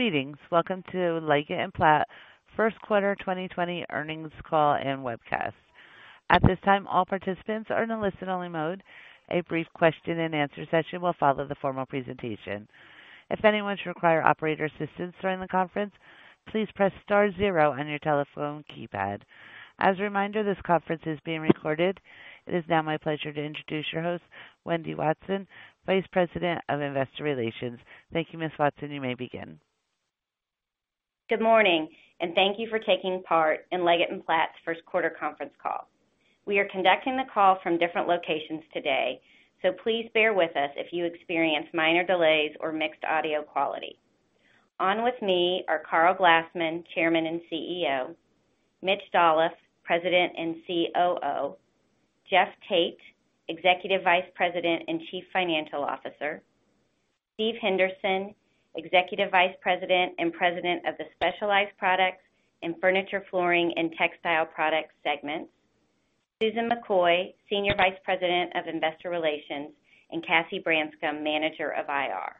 Greetings. Welcome to Leggett & Platt First Quarter 2020 Earnings Call and Webcast. At this time, all participants are in listen-only mode. A brief question and answer session will follow the formal presentation. If anyone should require operator assistance during the conference, please press star zero on your telephone keypad. As a reminder, this conference is being recorded. It is now my pleasure to introduce your host, Wendy Watson, Vice President of Investor Relations. Thank you, Ms. Watson. You may begin. Good morning, thank you for taking part in Leggett & Platt's first quarter conference call. We are conducting the call from different locations today, please bear with us if you experience minor delays or mixed audio quality. On with me are Karl Glassman, Chairman and CEO, Mitch Dolloff, President and COO, Jeff Tate, Executive Vice President and Chief Financial Officer, Steven K. Henderson, Executive Vice President and President of the Specialized Products and Furniture, Flooring, and Textile Products segments, Susan R. McCoy, Senior Vice President of Investor Relations, and Cassie J. Branscum, Manager of IR.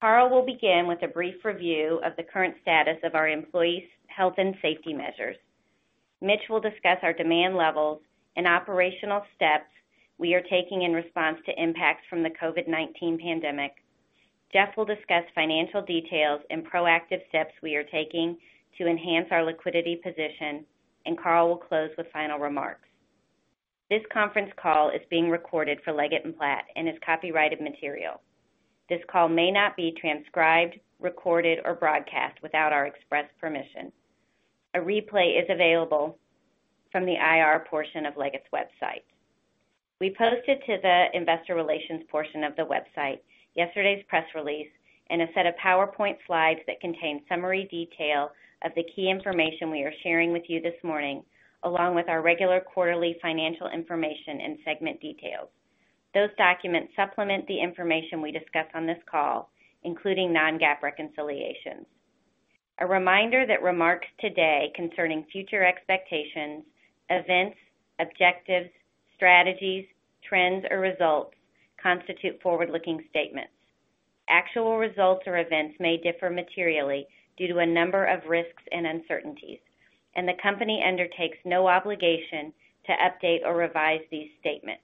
Karl will begin with a brief review of the current status of our employees' health and safety measures. Mitch will discuss our demand levels and operational steps we are taking in response to impacts from the COVID-19 pandemic. Jeff will discuss financial details and proactive steps we are taking to enhance our liquidity position, Karl will close with final remarks. This conference call is being recorded for Leggett & Platt and is copyrighted material. This call may not be transcribed, recorded, or broadcast without our express permission. A replay is available from the IR portion of Leggett's website. We posted to the investor relations portion of the website yesterday's press release and a set of PowerPoint slides that contain summary detail of the key information we are sharing with you this morning, along with our regular quarterly financial information and segment details. Those documents supplement the information we discuss on this call, including non-GAAP reconciliations. A reminder that remarks today concerning future expectations, events, objectives, strategies, trends, or results constitute forward-looking statements. Actual results or events may differ materially due to a number of risks and uncertainties, the company undertakes no obligation to update or revise these statements.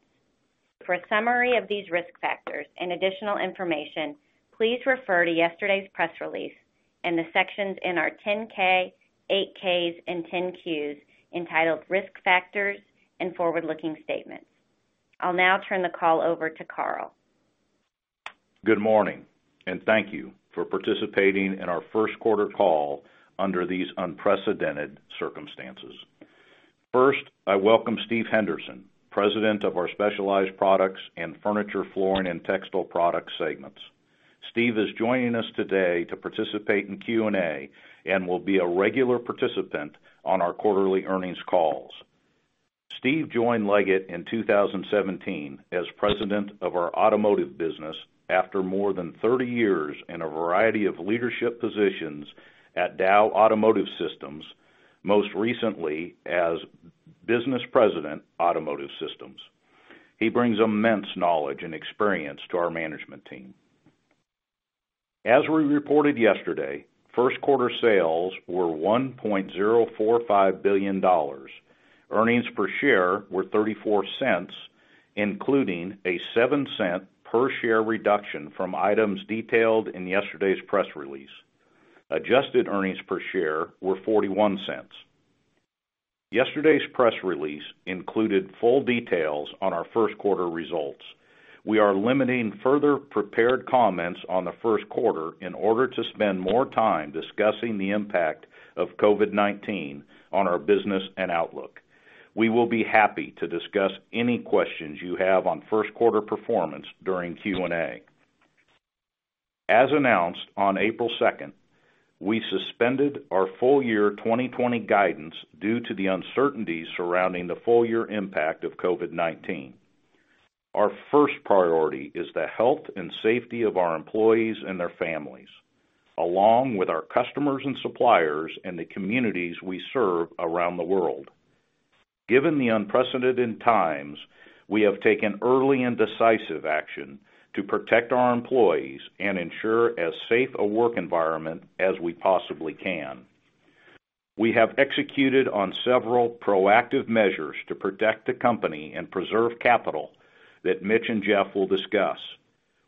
For a summary of these risk factors and additional information, please refer to yesterday's press release and the sections in our 10-K, 8-Ks, and 10-Qs entitled Risk Factors and Forward Looking Statements. I'll now turn the call over to Karl. Good morning. Thank you for participating in our first quarter call under these unprecedented circumstances. First, I welcome Steven Henderson, President of our Specialized Products and Furniture, Flooring, and Textile Products segments. Steven is joining us today to participate in Q&A and will be a regular participant on our quarterly earnings calls. Steven joined Leggett in 2017 as President of our automotive business after more than 30 years in a variety of leadership positions at Dow Automotive Systems, most recently as Business President, Automotive Systems. He brings immense knowledge and experience to our management team. As we reported yesterday, first quarter sales were $1.045 billion. Earnings per share were $0.34, including a $0.07 per share reduction from items detailed in yesterday's press release. Adjusted earnings per share were $0.41. Yesterday's press release included full details on our first quarter results. We are limiting further prepared comments on the first quarter in order to spend more time discussing the impact of COVID-19 on our business and outlook. We will be happy to discuss any questions you have on first quarter performance during Q&A. As announced on April 2nd, we suspended our full year 2020 guidance due to the uncertainty surrounding the full year impact of COVID-19. Our first priority is the health and safety of our employees and their families, along with our customers and suppliers and the communities we serve around the world. Given the unprecedented times, we have taken early and decisive action to protect our employees and ensure as safe a work environment as we possibly can. We have executed on several proactive measures to protect the company and preserve capital that Mitch and Jeff will discuss.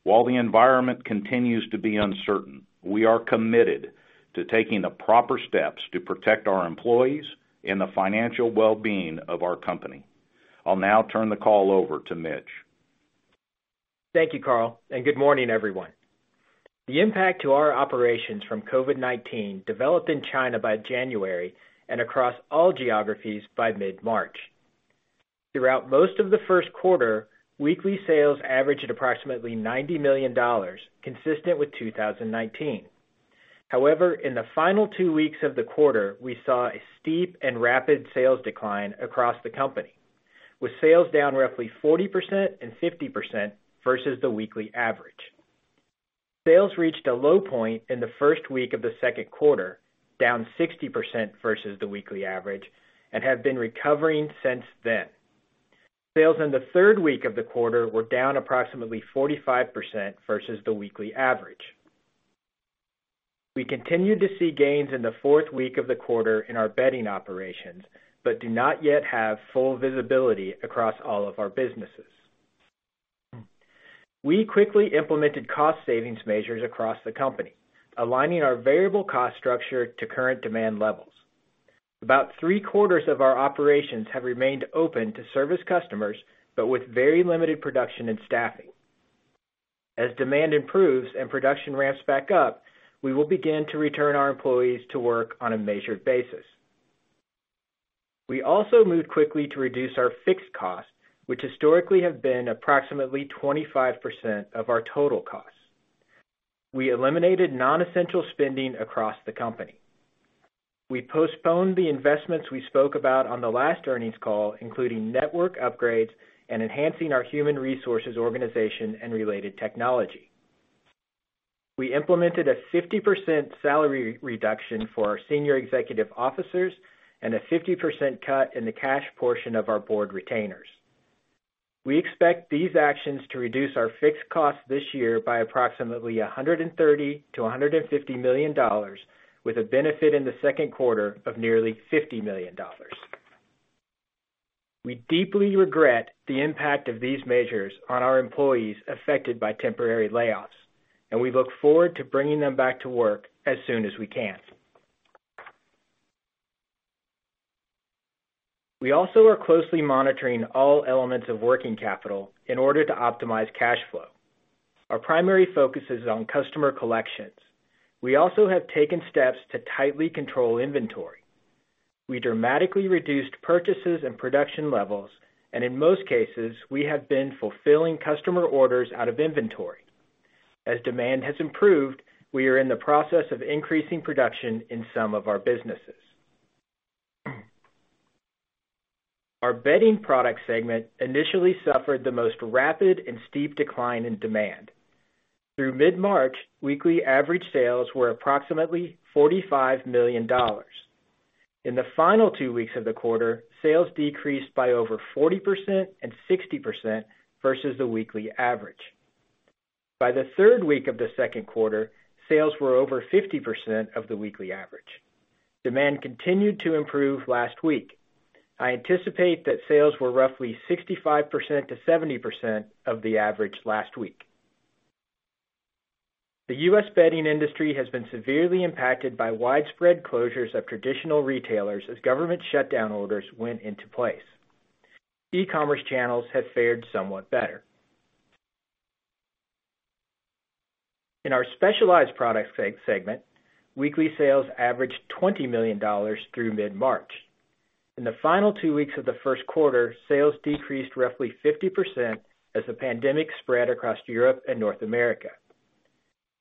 While the environment continues to be uncertain, we are committed to taking the proper steps to protect our employees and the financial well-being of our company. I'll now turn the call over to Mitch. Thank you, Karl. Good morning, everyone. The impact to our operations from COVID-19 developed in China by January and across all geographies by mid-March. Throughout most of the first quarter, weekly sales averaged approximately $90 million, consistent with 2019. However, in the final two weeks of the quarter, we saw a steep and rapid sales decline across the company, with sales down roughly 40% and 50% versus the weekly average. Sales reached a low point in the first week of the second quarter, down 60% versus the weekly average, and have been recovering since then. Sales in the third week of the quarter were down approximately 45% versus the weekly average. We continued to see gains in the fourth week of the quarter in our bedding operations, but do not yet have full visibility across all of our businesses. We quickly implemented cost savings measures across the company, aligning our variable cost structure to current demand levels. About three-quarters of our operations have remained open to service customers, but with very limited production and staffing. As demand improves and production ramps back up, we will begin to return our employees to work on a measured basis. We also moved quickly to reduce our fixed costs, which historically have been approximately 25% of our total costs. We eliminated non-essential spending across the company. We postponed the investments we spoke about on the last earnings call, including network upgrades and enhancing our human resources organization and related technology. We implemented a 50% salary reduction for our senior executive officers and a 50% cut in the cash portion of our board retainers. We expect these actions to reduce our fixed costs this year by approximately $130 million-$150 million, with a benefit in the second quarter of nearly $50 million. We deeply regret the impact of these measures on our employees affected by temporary layoffs, and we look forward to bringing them back to work as soon as we can. We also are closely monitoring all elements of working capital in order to optimize cash flow. Our primary focus is on customer collections. We also have taken steps to tightly control inventory. We dramatically reduced purchases and production levels, in most cases, we have been fulfilling customer orders out of inventory. As demand has improved, we are in the process of increasing production in some of our businesses. Our bedding product segment initially suffered the most rapid and steep decline in demand. Through mid-March, weekly average sales were approximately $45 million. In the final two weeks of the quarter, sales decreased by over 40% and 60% versus the weekly average. By the third week of the second quarter, sales were over 50% of the weekly average. Demand continued to improve last week. I anticipate that sales were roughly 65%-70% of the average last week. The U.S. bedding industry has been severely impacted by widespread closures of traditional retailers as government shutdown orders went into place. E-commerce channels have fared somewhat better. In our Specialized Products segment, weekly sales averaged $20 million through mid-March. In the final two weeks of the first quarter, sales decreased roughly 50% as the pandemic spread across Europe and North America.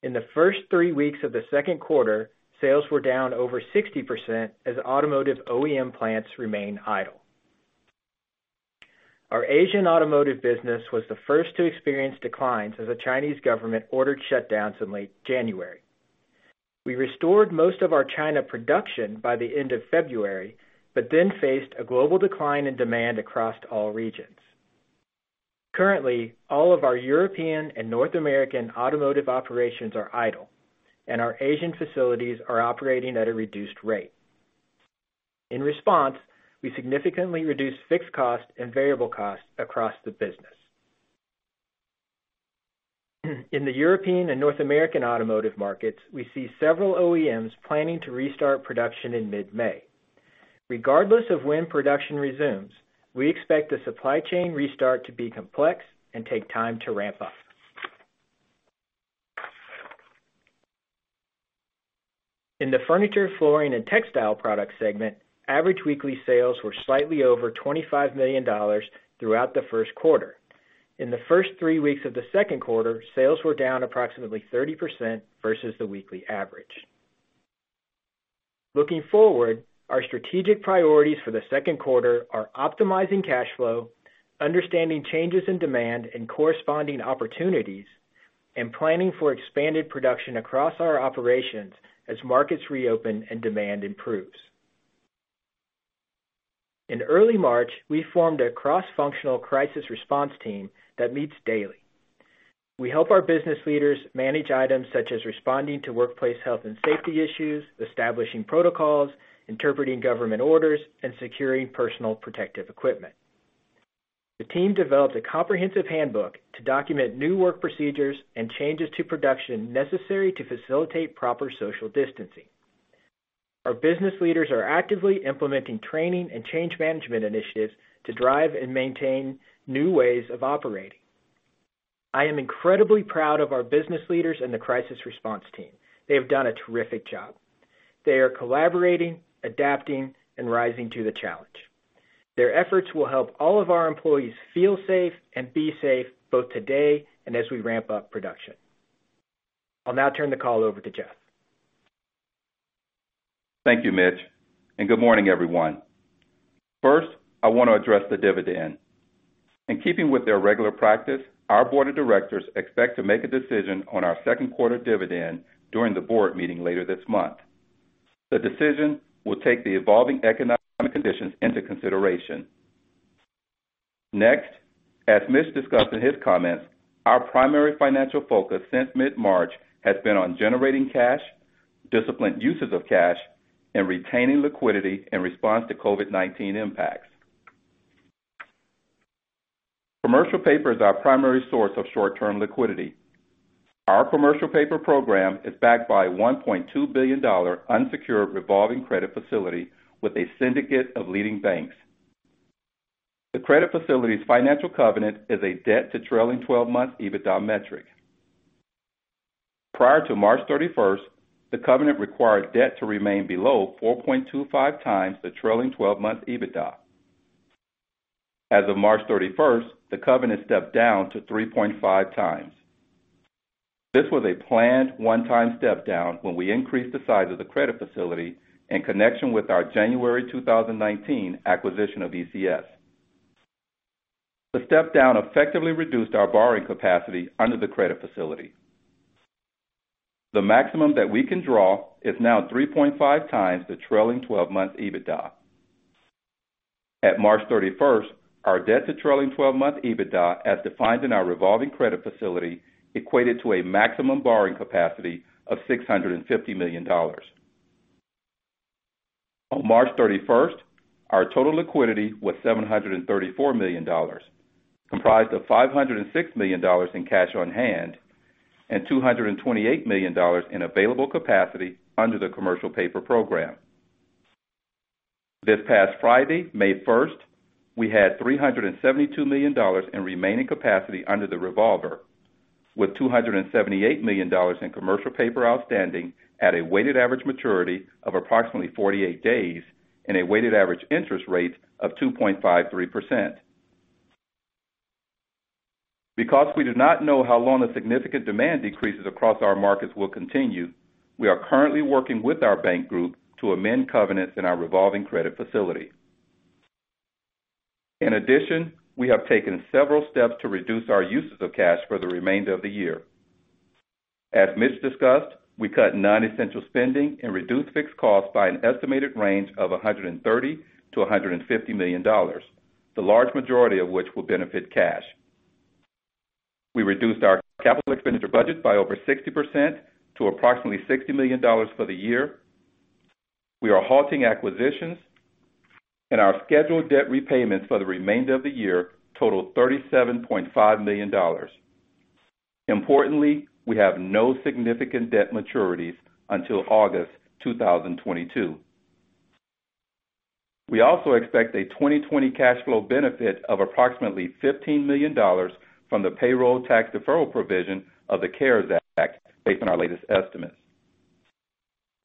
In the first three weeks of the second quarter, sales were down over 60% as automotive OEM plants remained idle. Our Asian automotive business was the first to experience declines as the Chinese government ordered shutdowns in late January. We restored most of our China production by the end of February, we then faced a global decline in demand across all regions. Currently, all of our European and North American automotive operations are idle, our Asian facilities are operating at a reduced rate. In response, we significantly reduced fixed costs and variable costs across the business. In the European and North American automotive markets, we see several OEMs planning to restart production in mid-May. Regardless of when production resumes, we expect the supply chain restart to be complex and take time to ramp up. In the Furniture, Flooring, and Textile Products segment, average weekly sales were slightly over $25 million throughout the first quarter. In the first 3 weeks of the second quarter, sales were down approximately 30% versus the weekly average. Looking forward, our strategic priorities for the second quarter are optimizing cash flow, understanding changes in demand and corresponding opportunities, and planning for expanded production across our operations as markets reopen and demand improves. In early March, we formed a cross-functional crisis response team that meets daily. We help our business leaders manage items such as responding to workplace health and safety issues, establishing protocols, interpreting government orders, and securing personal protective equipment. The team developed a comprehensive handbook to document new work procedures and changes to production necessary to facilitate proper social distancing. Our business leaders are actively implementing training and change management initiatives to drive and maintain new ways of operating. I am incredibly proud of our business leaders and the crisis response team. They have done a terrific job. They are collaborating, adapting, and rising to the challenge. Their efforts will help all of our employees feel safe and be safe both today and as we ramp up production. I'll now turn the call over to Jeff. Thank you, Mitch. Good morning, everyone. First, I want to address the dividend. In keeping with their regular practice, our board of directors expect to make a decision on our second quarter dividend during the board meeting later this month. The decision will take the evolving economic conditions into consideration. As Mitch discussed in his comments, our primary financial focus since mid-March has been on generating cash, disciplined uses of cash, and retaining liquidity in response to COVID-19 impacts. Commercial paper is our primary source of short-term liquidity. Our commercial paper program is backed by a $1.2 billion unsecured revolving credit facility with a syndicate of leading banks. The credit facility's financial covenant is a debt to trailing 12-month EBITDA metric. Prior to March 31st, the covenant required debt to remain below 4.25 times the trailing 12-month EBITDA. As of March 31st, the covenant stepped down to 3.5 times. This was a planned one-time step-down when we increased the size of the credit facility in connection with our January 2019 acquisition of ECS. The step-down effectively reduced our borrowing capacity under the credit facility. The maximum that we can draw is now 3.5 times the trailing 12-month EBITDA. At March 31st, our debt to trailing 12-month EBITDA, as defined in our revolving credit facility, equated to a maximum borrowing capacity of $650 million. On March 31st, our total liquidity was $734 million, comprised of $506 million in cash on hand and $228 million in available capacity under the commercial paper program. This past Friday, May 1st, we had $372 million in remaining capacity under the revolver with $278 million in commercial paper outstanding at a weighted average maturity of approximately 48 days and a weighted average interest rate of 2.53%. Because we do not know how long the significant demand decreases across our markets will continue, we are currently working with our bank group to amend covenants in our revolving credit facility. In addition, we have taken several steps to reduce our uses of cash for the remainder of the year. As Mitch discussed, we cut non-essential spending and reduced fixed costs by an estimated range of $130 million-$150 million, the large majority of which will benefit cash. We reduced our capital expenditure budget by over 60% to approximately $60 million for the year. We are halting acquisitions. Our scheduled debt repayments for the remainder of the year total $37.5 million. Importantly, we have no significant debt maturities until August 2022. We also expect a 2020 cash flow benefit of approximately $15 million from the payroll tax deferral provision of the CARES Act, based on our latest estimates.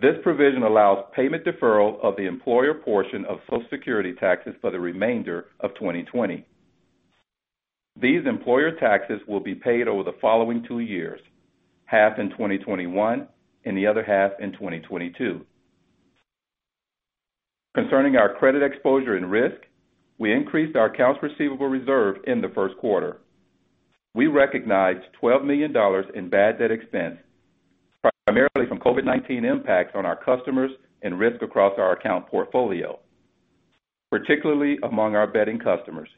This provision allows payment deferral of the employer portion of Social Security taxes for the remainder of 2020. These employer taxes will be paid over the following two years, half in 2021 and the other half in 2022. Concerning our credit exposure and risk, we increased our accounts receivable reserve in the first quarter. We recognized $12 million in bad debt expense, primarily from COVID-19 impacts on our customers and risk across our account portfolio, particularly among our bedding customers.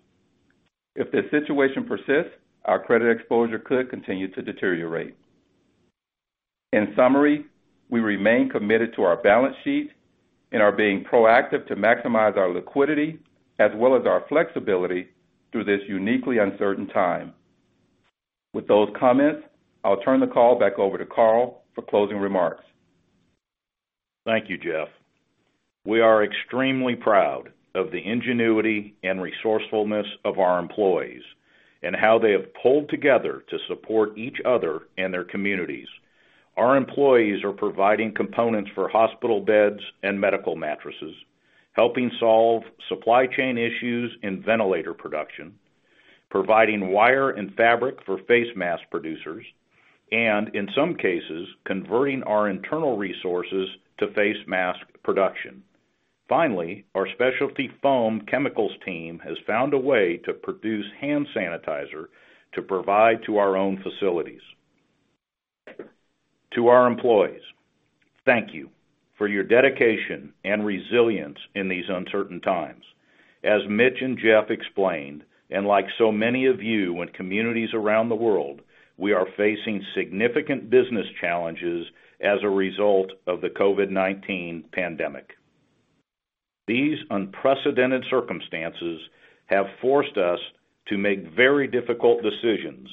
If this situation persists, our credit exposure could continue to deteriorate. In summary, we remain committed to our balance sheet and are being proactive to maximize our liquidity as well as our flexibility through this uniquely uncertain time. With those comments, I'll turn the call back over to Karl for closing remarks. Thank you, Jeff. We are extremely proud of the ingenuity and resourcefulness of our employees and how they have pulled together to support each other and their communities. Our employees are providing components for hospital beds and medical mattresses, helping solve supply chain issues in ventilator production, providing wire and fabric for face mask producers. In some cases, converting our internal resources to face mask production. Finally, our specialty foam chemicals team has found a way to produce hand sanitizer to provide to our own facilities. To our employees, thank you for your dedication and resilience in these uncertain times. As Mitch and Jeff explained, like so many of you in communities around the world, we are facing significant business challenges as a result of the COVID-19 pandemic. These unprecedented circumstances have forced us to make very difficult decisions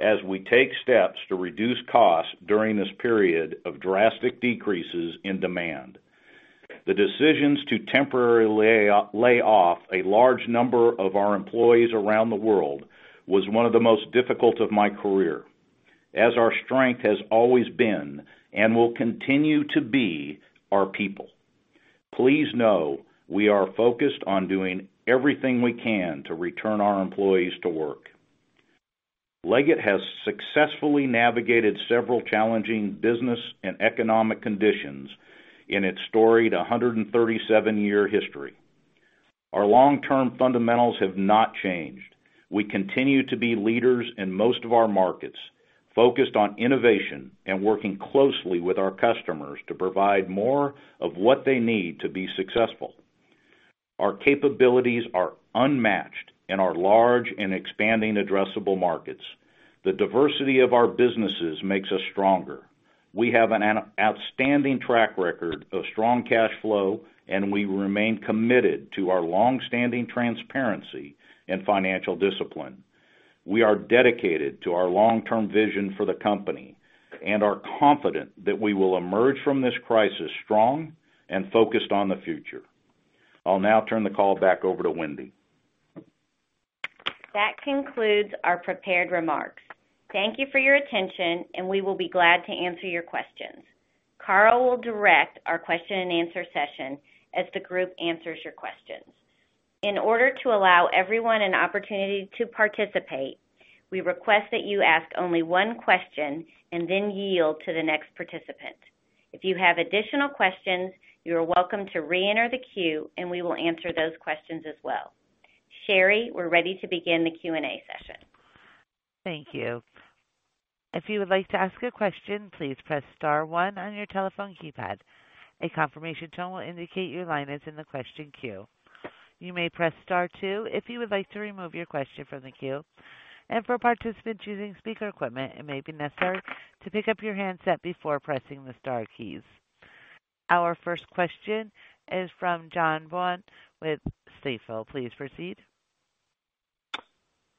as we take steps to reduce costs during this period of drastic decreases in demand. The decisions to temporarily lay off a large number of our employees around the world was one of the most difficult of my career, as our strength has always been, and will continue to be, our people. Please know we are focused on doing everything we can to return our employees to work. Leggett has successfully navigated several challenging business and economic conditions in its storied 137-year history. Our long-term fundamentals have not changed. We continue to be leaders in most of our markets, focused on innovation and working closely with our customers to provide more of what they need to be successful. Our capabilities are unmatched in our large and expanding addressable markets. The diversity of our businesses makes us stronger. We have an outstanding track record of strong cash flow. We remain committed to our longstanding transparency and financial discipline. We are dedicated to our long-term vision for the company and are confident that we will emerge from this crisis strong and focused on the future. I'll now turn the call back over to Wendy. That concludes our prepared remarks. Thank you for your attention. We will be glad to answer your questions. Karl will direct our question and answer session as the group answers your questions. In order to allow everyone an opportunity to participate, we request that you ask only one question. Then yield to the next participant. If you have additional questions, you are welcome to reenter the queue, and we will answer those questions as well. Sherry, we're ready to begin the Q&A session. Thank you. If you would like to ask a question, please press star one on your telephone keypad. A confirmation tone will indicate your line is in the question queue. You may press star two if you would like to remove your question from the queue. For participants using speaker equipment, it may be necessary to pick up your handset before pressing the star keys. Our first question is from John Baugh with Stifel. Please proceed.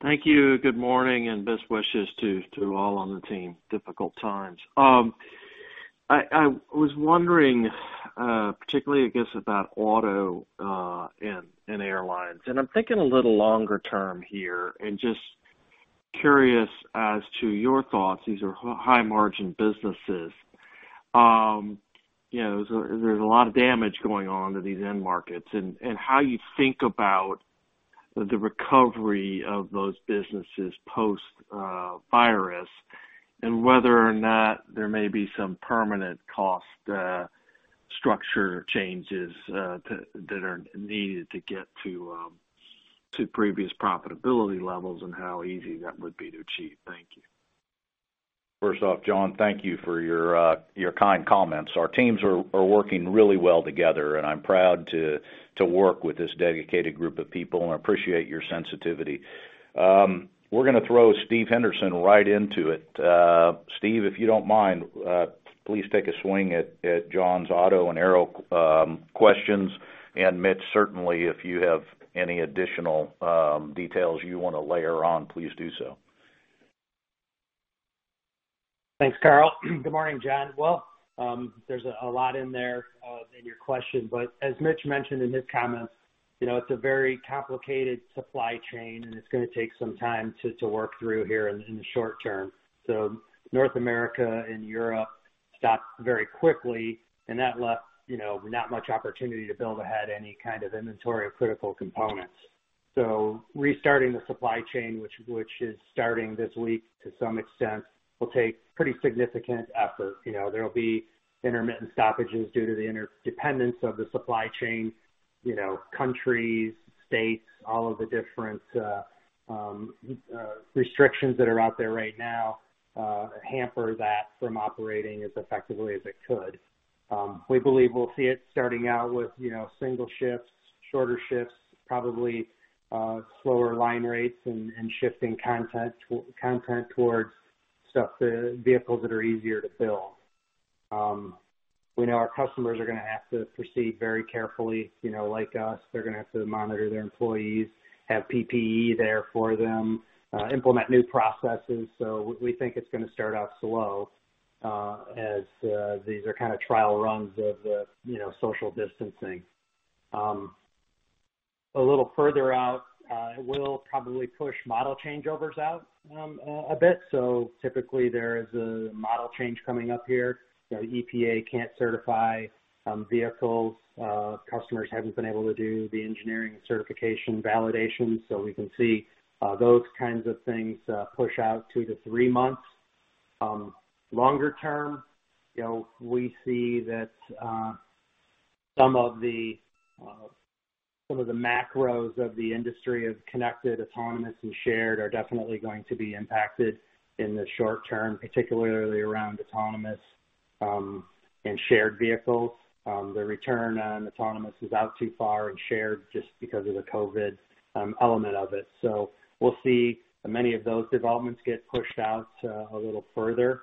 Thank you. Good morning, and best wishes to all on the team. Difficult times. I was wondering, particularly, I guess about auto, and airlines, and I'm thinking a little longer term here and just curious as to your thoughts. These are high margin businesses. There's a lot of damage going on to these end markets, and how you think about the recovery of those businesses post virus, and whether or not there may be some permanent cost structure changes, that are needed to get to previous profitability levels and how easy that would be to achieve. Thank you. First off, John, thank you for your kind comments. Our teams are working really well together, and I'm proud to work with this dedicated group of people and appreciate your sensitivity. We're going to throw Steve Henderson right into it. Steve, if you don't mind, please take a swing at John's auto and aero questions. Mitch, certainly, if you have any additional details you want to layer on, please do so. Thanks, Karl. Good morning, John. Well, there's a lot in there, in your question, but as Mitch mentioned in his comments, it's a very complicated supply chain, and it's going to take some time to work through here in the short term. North America and Europe stopped very quickly, and that left not much opportunity to build ahead any kind of inventory of critical components. Restarting the supply chain, which is starting this week to some extent, will take pretty significant effort. There'll be intermittent stoppages due to the interdependence of the supply chain, countries, states, all of the different restrictions that are out there right now hamper that from operating as effectively as it could. We believe we'll see it starting out with single shifts, shorter shifts, probably slower line rates and shifting content towards vehicles that are easier to fill. We know our customers are going to have to proceed very carefully. Like us, they're going to have to monitor their employees, have PPE there for them, implement new processes. We think it's going to start out slow as these are kind of trial runs of social distancing. A little further out, it will probably push model changeovers out a bit. Typically, there is a model change coming up here. EPA can't certify vehicles. Customers haven't been able to do the engineering certification validation. We can see those kinds of things push out 2-3 months. Longer term, we see that some of the macros of the industry of connected, autonomous, and shared are definitely going to be impacted in the short term, particularly around autonomous and shared vehicles. The return on autonomous is out too far and shared just because of the COVID element of it. We'll see many of those developments get pushed out a little further.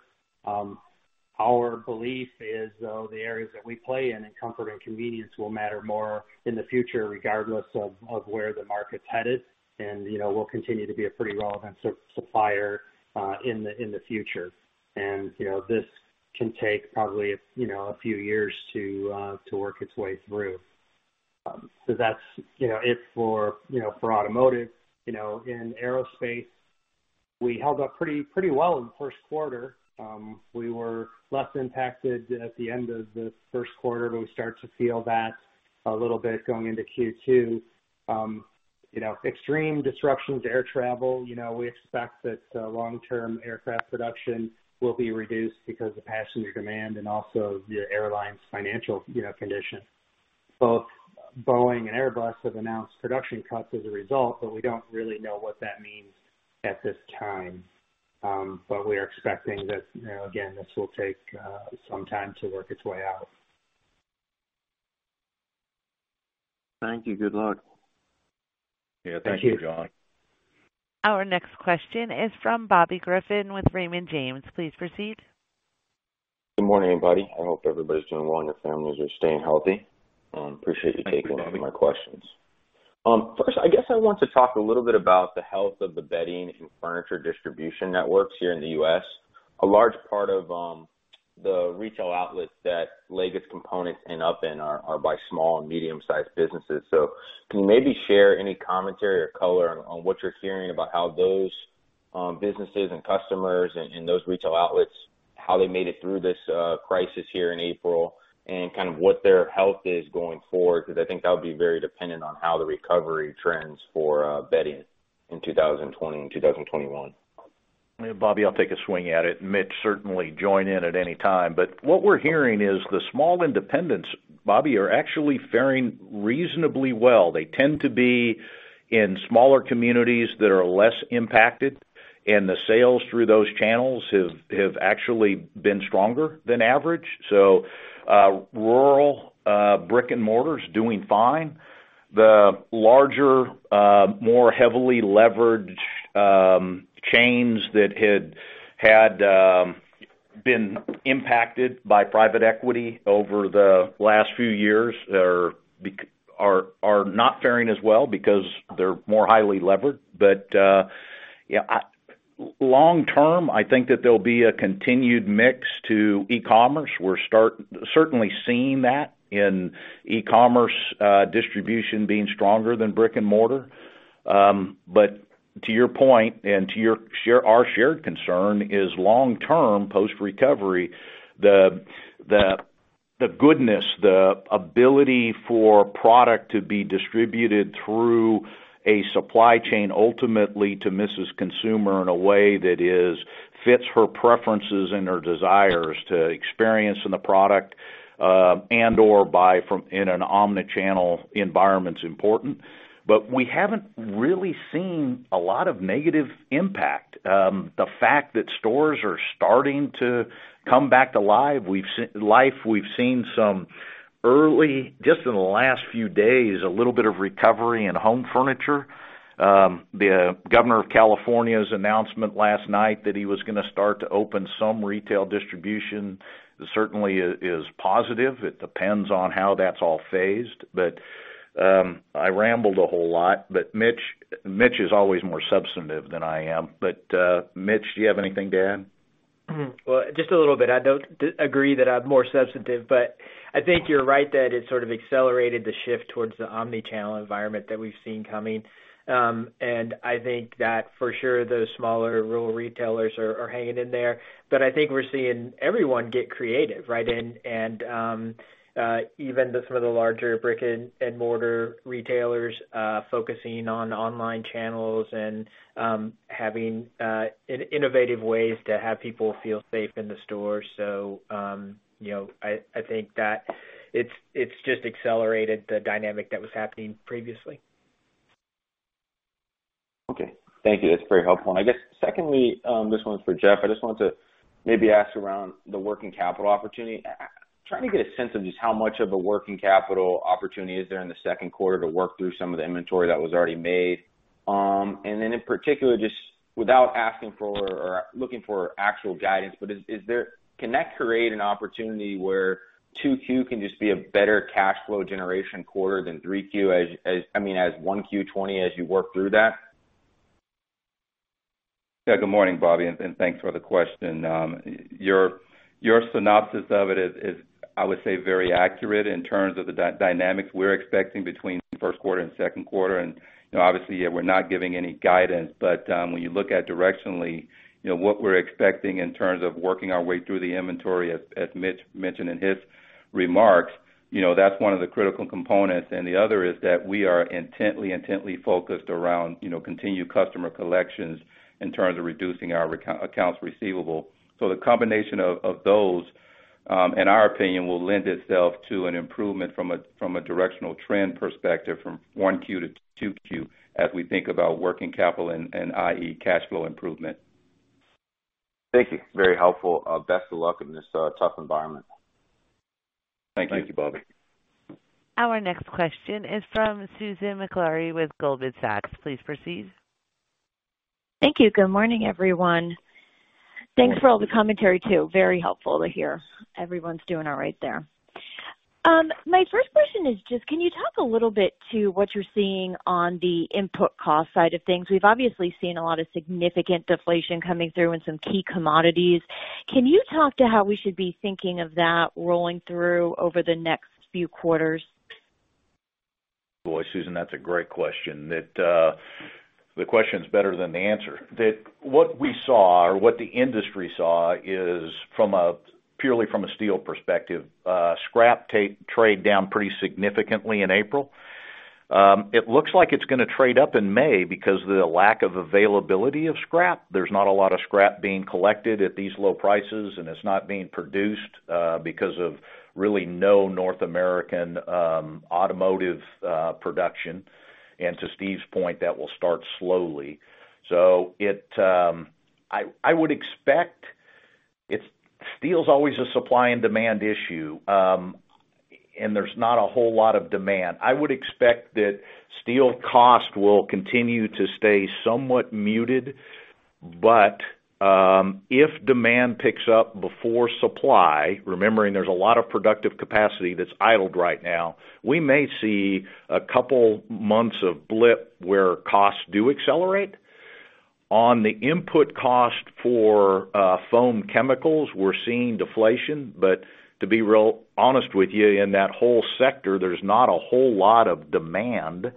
Our belief is, though, the areas that we play in comfort and convenience will matter more in the future regardless of where the market's headed. We'll continue to be a pretty relevant supplier in the future. This can take probably a few years to work its way through. That's it for automotive. In aerospace, we held up pretty well in the first quarter. We were less impacted at the end of the first quarter, but we start to feel that a little bit going into Q2. Extreme disruptions to air travel. We expect that long-term aircraft production will be reduced because of passenger demand and also the airlines' financial condition. Both Boeing and Airbus have announced production cuts as a result, we don't really know what that means at this time. We are expecting that, again, this will take some time to work its way out. Thank you. Good luck. Yeah. Thank you, John. Our next question is from Bobby Griffin with Raymond James. Please proceed. Good morning, everybody. I hope everybody's doing well and your families are staying healthy. Thank you, Bobby. Appreciate you taking my questions. First, I guess I want to talk a little bit about the health of the bedding and furniture distribution networks here in the U.S. A large part of the retail outlets that Leggett's components end up in are by small and medium sized businesses. Can you maybe share any commentary or color on what you're hearing about how those businesses and customers and those retail outlets, how they made it through this crisis here in April and kind of what their health is going forward? I think that'll be very dependent on how the recovery trends for bedding in 2020 and 2021. Bobby, I'll take a swing at it. Mitch, certainly join in at any time. What we're hearing is the small independents, Bobby, are actually faring reasonably well. They tend to be in smaller communities that are less impacted, and the sales through those channels have actually been stronger than average. Rural brick and mortars doing fine. The larger, more heavily leveraged chains that had been impacted by private equity over the last few years are not faring as well because they're more highly leveraged. Long term, I think that there'll be a continued mix to e-commerce. We're certainly seeing that in e-commerce distribution being stronger than brick and mortar. To your point and to our shared concern is long term post recovery, the goodness, the ability for product to be distributed through a supply chain ultimately to Mrs. Consumer in a way that fits her preferences and her desires to experience in the product, and/or buy from in an omnichannel environment is important. We haven't really seen a lot of negative impact. The fact that stores are starting to come back to life. We've seen some early, just in the last few days, a little bit of recovery in home furniture. The governor of California's announcement last night that he was going to start to open some retail distribution certainly is positive. It depends on how that's all phased, I rambled a whole lot. Mitch is always more substantive than I am. Mitch, do you have anything to add? Well, just a little bit. I don't agree that I'm more substantive, but I think you're right that it sort of accelerated the shift towards the omnichannel environment that we've seen coming. I think that for sure those smaller rural retailers are hanging in there. I think we're seeing everyone get creative, right? Even some of the larger brick and mortar retailers focusing on online channels and having innovative ways to have people feel safe in the store. I think that it's just accelerated the dynamic that was happening previously. Okay. Thank you. That's very helpful. I guess secondly, this one's for Jeff. I just wanted to maybe ask around the working capital opportunity. Trying to get a sense of just how much of a working capital opportunity is there in the second quarter to work through some of the inventory that was already made. Then in particular, just without asking for or looking for actual guidance, can that create an opportunity where 2Q can just be a better cash flow generation quarter than 3Q, I mean, as 1Q 2020 as you work through that? Good morning, Bobby, and thanks for the question. Your synopsis of it is, I would say, very accurate in terms of the dynamics we're expecting between first quarter and second quarter. Obviously, we're not giving any guidance. When you look at directionally what we're expecting in terms of working our way through the inventory, as Mitch mentioned in his remarks, that's one of the critical components. The other is that we are intently focused around continued customer collections in terms of reducing our accounts receivable. The combination of those, in our opinion, will lend itself to an improvement from a directional trend perspective from 1Q to 2Q as we think about working capital and i.e. cash flow improvement. Thank you. Very helpful. Best of luck in this tough environment. Thank you, Bobby. Our next question is from Susan Maklari with Goldman Sachs. Please proceed. Thank you. Good morning, everyone. Thanks for all the commentary, too. Very helpful to hear everyone's doing all right there. My first question is just can you talk a little bit to what you're seeing on the input cost side of things? We've obviously seen a lot of significant deflation coming through in some key commodities. Can you talk to how we should be thinking of that rolling through over the next few quarters? Boy, Susan, that's a great question. The question is better than the answer. What we saw or what the industry saw is purely from a steel perspective, scrap trade down pretty significantly in April. It looks like it's going to trade up in May because of the lack of availability of scrap. There's not a lot of scrap being collected at these low prices, and it's not being produced because of really no North American automotive production. To Steve's point, that will start slowly. Steel is always a supply and demand issue, and there's not a whole lot of demand. I would expect that steel cost will continue to stay somewhat muted. If demand picks up before supply, remembering there's a lot of productive capacity that's idled right now, we may see a couple months of blip where costs do accelerate. On the input cost for foam chemicals, we're seeing deflation, to be real honest with you, in that whole sector, there's not a whole lot of demand.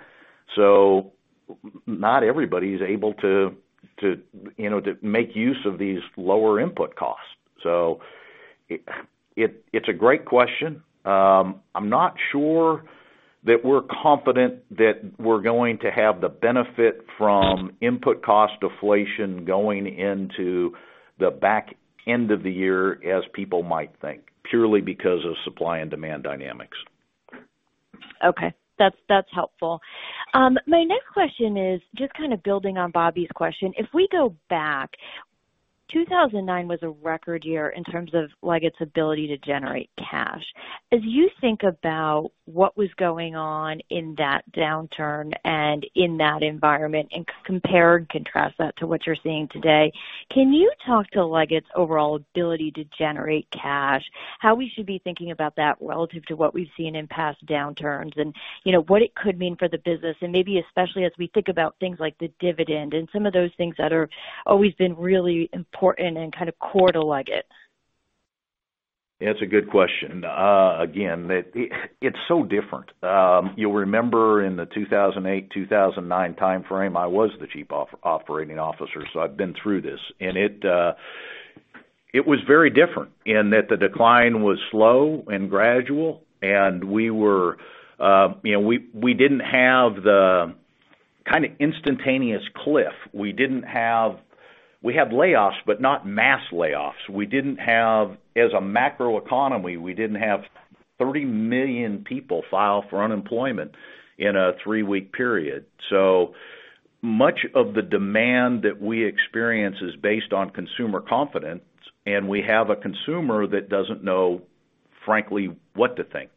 Not everybody is able to make use of these lower input costs. It's a great question. I'm not sure that we're confident that we're going to have the benefit from input cost deflation going into the back end of the year as people might think, purely because of supply and demand dynamics. Okay. That's helpful. My next question is just kind of building on Bobby's question. If we go back, 2009 was a record year in terms of Leggett's ability to generate cash. As you think about what was going on in that downturn and in that environment, and compare and contrast that to what you're seeing today, can you talk to Leggett's overall ability to generate cash, how we should be thinking about that relative to what we've seen in past downturns and what it could mean for the business and maybe especially as we think about things like the dividend and some of those things that are always been really important and kind of core to Leggett? That's a good question. Again, it's so different. You'll remember in the 2008, 2009 timeframe, I was the Chief Operating Officer, so I've been through this. It was very different in that the decline was slow and gradual, and we didn't have the kind of instantaneous cliff. We had layoffs, but not mass layoffs. As a macro economy, we didn't have 30 million people file for unemployment in a three-week period. Much of the demand that we experience is based on consumer confidence, and we have a consumer that doesn't know, frankly, what to think.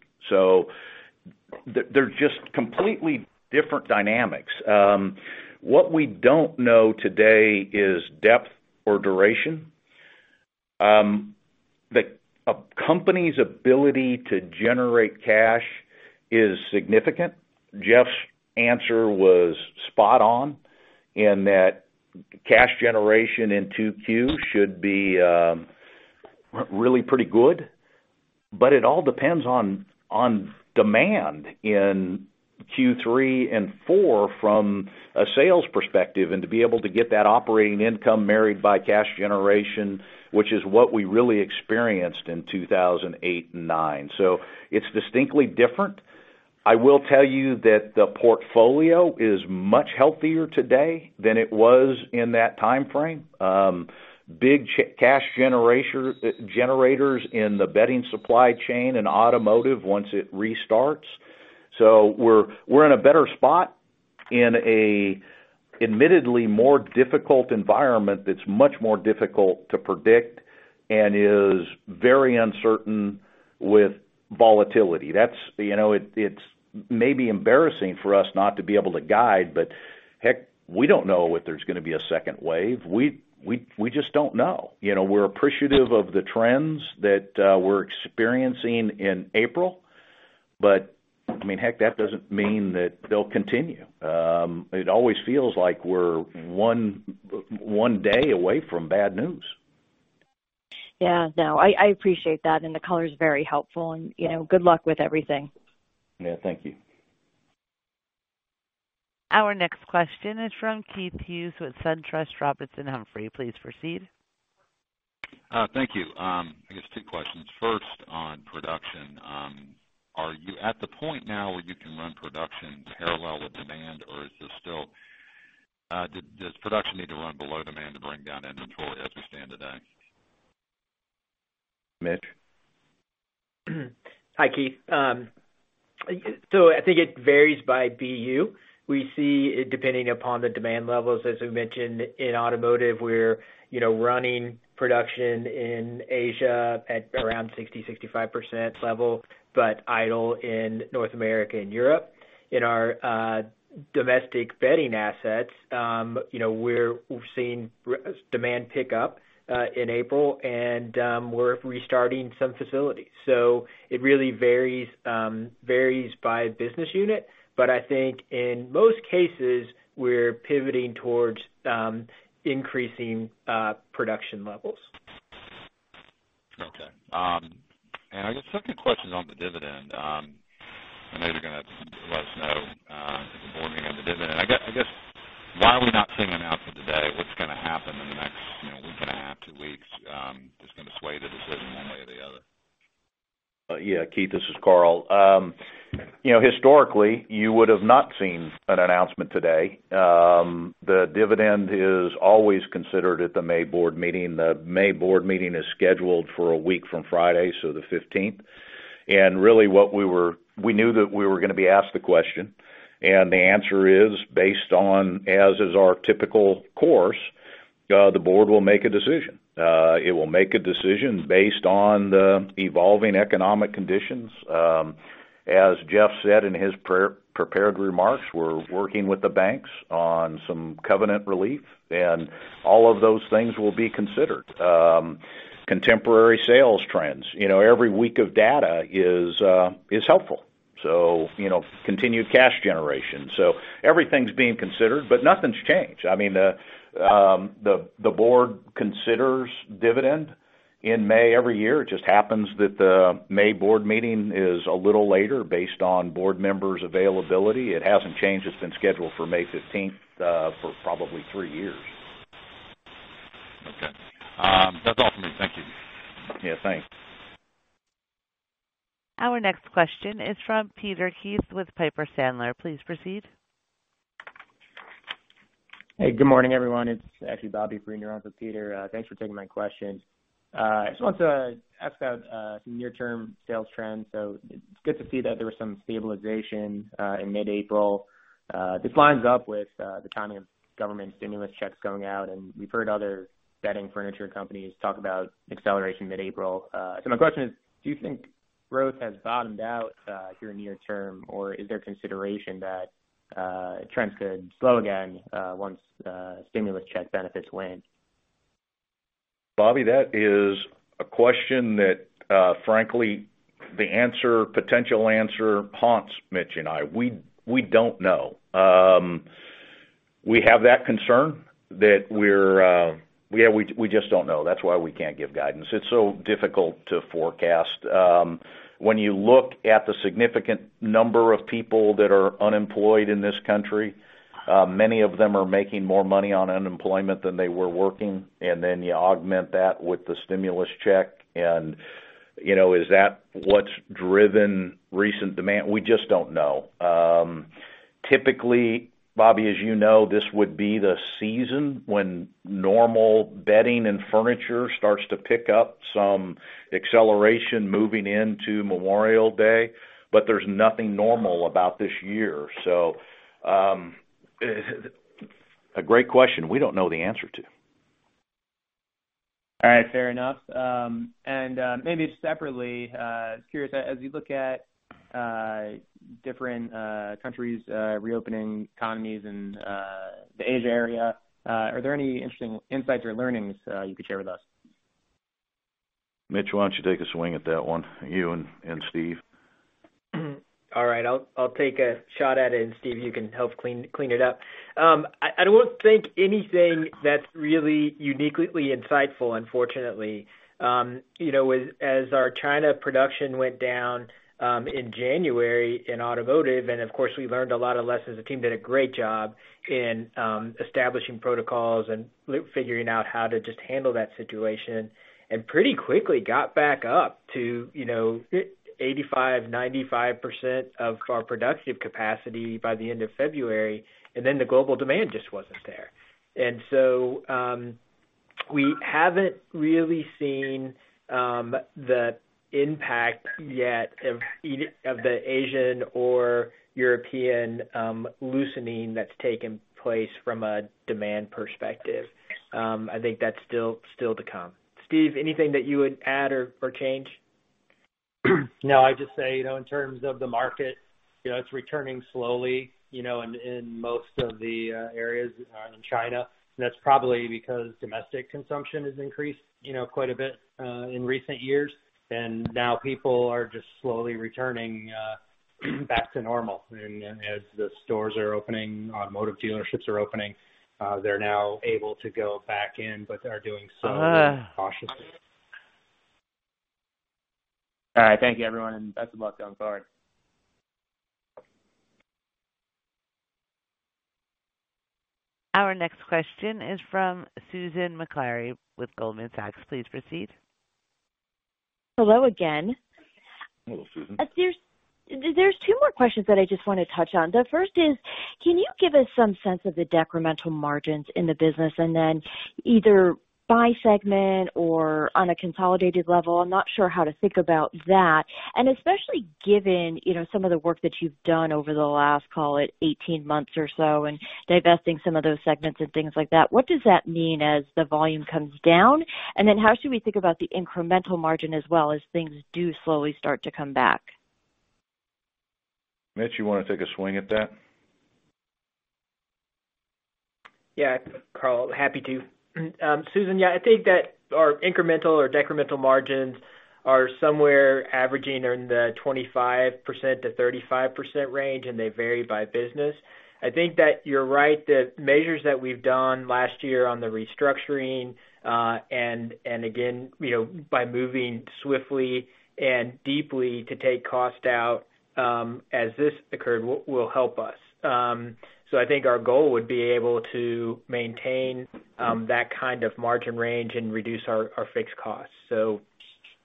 They're just completely different dynamics. What we don't know today is depth or duration. A company's ability to generate cash is significant. Jeff's answer was spot on in that cash generation in 2Q should be really pretty good. It all depends on demand in Q3 and 4 from a sales perspective and to be able to get that operating income married by cash generation, which is what we really experienced in 2008 and 2009. It's distinctly different. I will tell you that the portfolio is much healthier today than it was in that timeframe. Big cash generators in the bedding supply chain and automotive once it restarts. We're in a better spot in a admittedly more difficult environment that's much more difficult to predict and is very uncertain with volatility. It's maybe embarrassing for us not to be able to guide, but heck, we don't know if there's going to be a second wave. We just don't know. We're appreciative of the trends that we're experiencing in April, but heck, that doesn't mean that they'll continue. It always feels like we're one day away from bad news. Yeah. No, I appreciate that and the color is very helpful and good luck with everything. Yeah, thank you. Our next question is from Keith Hughes with SunTrust Robinson Humphrey. Please proceed. Thank you. I guess two questions. First, on production. Are you at the point now where you can run production parallel with demand or does production need to run below demand to bring down inventory as we stand today? Mitch? Hi, Keith. I think it varies by BU. We see it depending upon the demand levels. As we mentioned, in automotive, we're running production in Asia at around 60%, 65% level, but idle in North America and Europe. In our domestic bedding assets, we're seeing demand pick up in April, and we're restarting some facilities. It really varies by business unit. I think in most cases, we're pivoting towards increasing production levels. I guess a few questions on the dividend. I know you're going to let us know at the board meeting of the dividend. I guess why are we not seeing an announcement today? What's going to happen in the next week and a half, two weeks, that's going to sway the decision one way or the other? Keith, this is Karl. Historically, you would have not seen an announcement today. The dividend is always considered at the May board meeting. The May board meeting is scheduled for one week from Friday, so the 15th. Really we knew that we were going to be asked the question, the answer is based on, as is our typical course, the board will make a decision. It will make a decision based on the evolving economic conditions. As Jeff said in his prepared remarks, we're working with the banks on some covenant relief, all of those things will be considered. Contemporary sales trends. Every week of data is helpful. Continued cash generation. Everything's being considered, but nothing's changed. I mean, the board considers dividend in May every year. It just happens that the May board meeting is a little later based on board members' availability. It hasn't changed. It's been scheduled for May 15th, for probably three years. Okay. That's all for me. Thank you. Yeah, thanks. Our next question is from Peter Keith with Piper Sandler. Please proceed. Hey, good morning, everyone. It's actually Bobby Ferri running with Peter. Thanks for taking my question. I just wanted to ask about some near-term sales trends. It's good to see that there was some stabilization in mid-April. This lines up with the timing of government stimulus checks going out, and we've heard other bedding furniture companies talk about acceleration mid-April. My question is, do you think growth has bottomed out here near term or is there consideration that trends could slow again once stimulus check benefits wane? Bobby, that is a question that frankly, the potential answer haunts Mitch and I. We don't know. We have that concern. We just don't know. That's why we can't give guidance. It's so difficult to forecast. When you look at the significant number of people that are unemployed in this country, many of them are making more money on unemployment than they were working, and then you augment that with the stimulus check, and is that what's driven recent demand? We just don't know. Typically, Bobby, as you know, this would be the season when normal bedding and furniture starts to pick up some acceleration moving into Memorial Day, but there's nothing normal about this year. A great question we don't know the answer to. All right. Fair enough. Maybe separately, curious, as you look at different countries reopening economies in the Asia area, are there any interesting insights or learnings you could share with us? Mitch, why don't you take a swing at that one? You and Steve. All right. I'll take a shot at it, Steve, you can help clean it up. I don't think anything that's really uniquely insightful, unfortunately. As our China production went down in January in automotive, of course, we learned a lot of lessons. The team did a great job in establishing protocols and figuring out how to just handle that situation and pretty quickly got back up to 85%, 95% of our productive capacity by the end of February, then the global demand just wasn't there. So we haven't really seen the impact yet of the Asian or European loosening that's taken place from a demand perspective. I think that's still to come. Steve, anything that you would add or change? No, I'd just say, in terms of the market, it's returning slowly in most of the areas in China. That's probably because domestic consumption has increased quite a bit in recent years, now people are just slowly returning back to normal. As the stores are opening, automotive dealerships are opening, they're now able to go back in but are doing so cautiously. All right. Thank you, everyone. Best of luck going forward. Our next question is from Susan Maklari with Goldman Sachs. Please proceed. Hello again. Hello, Susan. There's two more questions that I just want to touch on. The first is, can you give us some sense of the decremental margins in the business, and then either by segment or on a consolidated level? I'm not sure how to think about that. Especially given some of the work that you've done over the last, call it 18 months or so, and divesting some of those segments and things like that, what does that mean as the volume comes down? How should we think about the incremental margin as well as things do slowly start to come back? Mitch, you want to take a swing at that? Yeah, Karl, happy to. Susan, yeah, I think that our incremental or decremental margins are somewhere averaging in the 25%-35% range, and they vary by business. I think that you're right, the measures that we've done last year on the restructuring, and again, by moving swiftly and deeply to take cost out, as this occurred, will help us. I think our goal would be able to maintain that kind of margin range and reduce our fixed costs.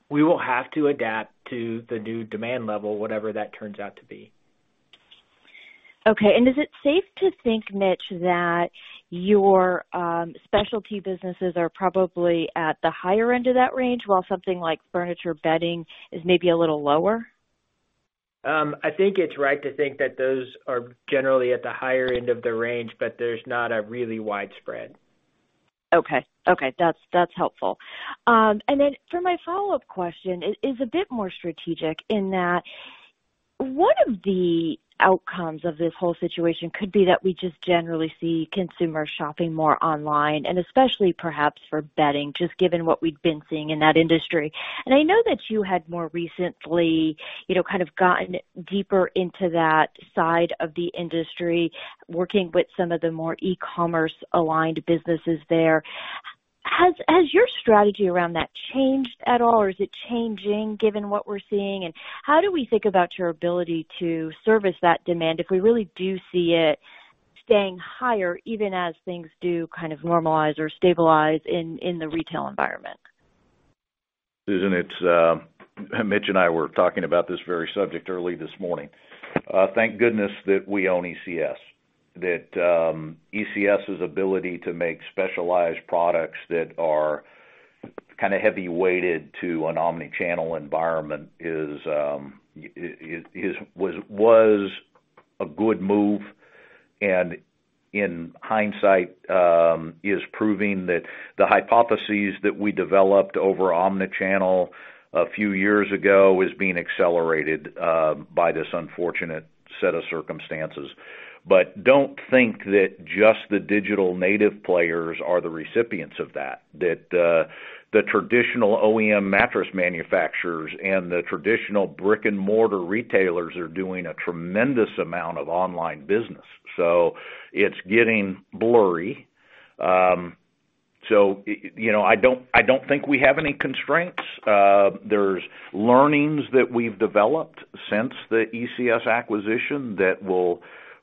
We will have to adapt to the new demand level, whatever that turns out to be. Okay. Is it safe to think, Mitch, that your specialty businesses are probably at the higher end of that range while something like furniture bedding is maybe a little lower? I think it's right to think that those are generally at the higher end of the range, but there's not a really wide spread. Okay. That's helpful. Then for my follow-up question is a bit more strategic in that one of the outcomes of this whole situation could be that we just generally see consumers shopping more online, especially perhaps for bedding, just given what we'd been seeing in that industry. I know that you had more recently kind of gotten deeper into that side of the industry, working with some of the more e-commerce aligned businesses there. Has your strategy around that changed at all, or is it changing given what we're seeing? How do we think about your ability to service that demand if we really do see it staying higher, even as things do kind of normalize or stabilize in the retail environment? Susan, Mitch and I were talking about this very subject early this morning. Thank goodness that we own ECS. That ECS's ability to make specialized products that are kind of heavy weighted to an omni-channel environment was a good move and in hindsight, is proving that the hypotheses that we developed over omni-channel a few years ago is being accelerated by this unfortunate set of circumstances. Don't think that just the digital native players are the recipients of that the traditional OEM mattress manufacturers and the traditional brick and mortar retailers are doing a tremendous amount of online business. It's getting blurry. I don't think we have any constraints. There's learnings that we've developed since the ECS acquisition that will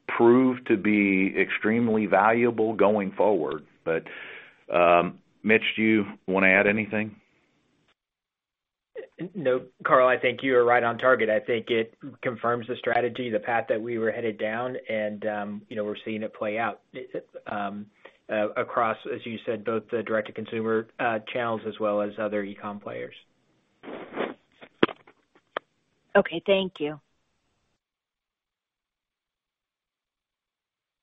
prove to be extremely valuable going forward. Mitch, do you want to add anything? No, Karl, I think you are right on target. I think it confirms the strategy, the path that we were headed down, and we're seeing it play out across, as you said, both the direct to consumer channels as well as other e-com players. Okay, thank you.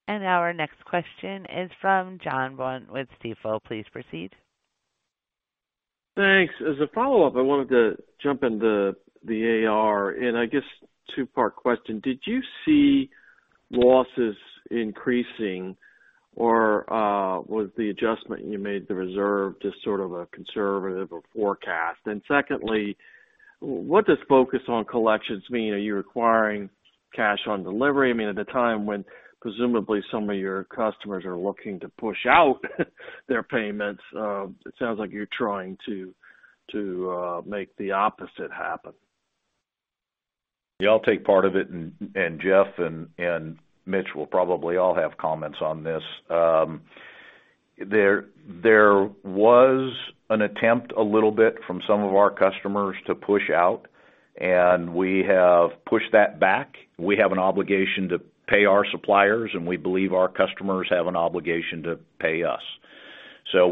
Our next question is from John Baugh with Stifel. Please proceed. Thanks. As a follow-up, I wanted to jump into the AR and I guess two-part question. Did you see losses increasing or was the adjustment you made the reserve just sort of a conservative forecast? Secondly, what does focus on collections mean? Are you requiring cash on delivery? At the time when presumably some of your customers are looking to push out their payments, it sounds like you're trying to make the opposite happen. I'll take part of it and Jeff and Mitch will probably all have comments on this. There was an attempt a little bit from some of our customers to push out. We have pushed that back. We have an obligation to pay our suppliers. We believe our customers have an obligation to pay us.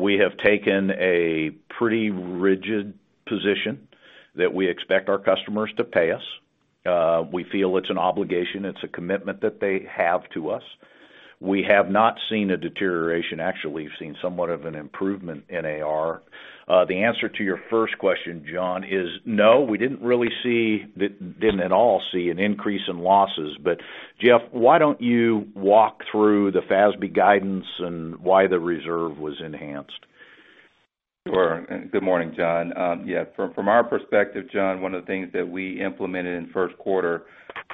We have taken a pretty rigid position that we expect our customers to pay us. We feel it's an obligation, it's a commitment that they have to us. We have not seen a deterioration. Actually, we've seen somewhat of an improvement in AR. The answer to your first question, John, is no, we didn't at all see an increase in losses. Jeff, why don't you walk through the FASB guidance and why the reserve was enhanced? Sure. Good morning, John. From our perspective, John, one of the things that we implemented in first quarter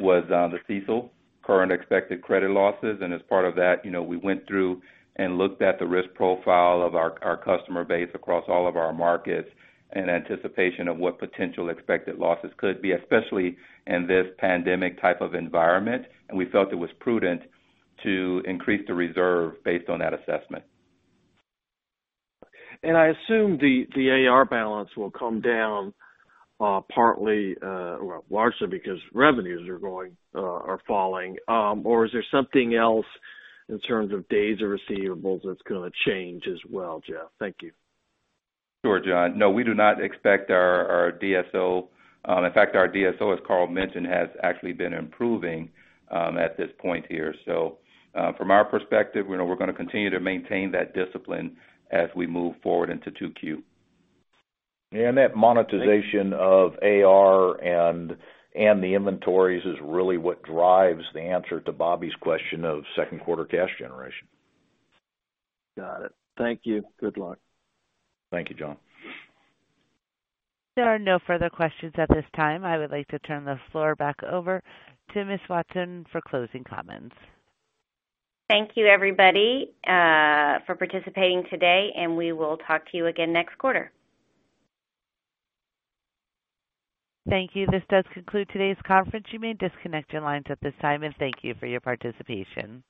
was the CECL, current expected credit losses. As part of that, we went through and looked at the risk profile of our customer base across all of our markets in anticipation of what potential expected losses could be, especially in this pandemic type of environment. We felt it was prudent to increase the reserve based on that assessment. I assume the AR balance will come down partly or largely because revenues are falling. Is there something else in terms of days of receivables that's going to change as well, Jeff? Thank you. Sure, John. No, we do not expect our DSO. In fact, our DSO, as Karl mentioned, has actually been improving at this point here. From our perspective, we're going to continue to maintain that discipline as we move forward into 2Q. That monetization of AR and the inventories is really what drives the answer to Bobby's question of second quarter cash generation. Got it. Thank you. Good luck. Thank you, John. There are no further questions at this time. I would like to turn the floor back over to Ms. Watson for closing comments. Thank you everybody, for participating today, and we will talk to you again next quarter. Thank you. This does conclude today's conference. You may disconnect your lines at this time, and thank you for your participation.